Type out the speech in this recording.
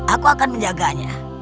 aku akan menjaganya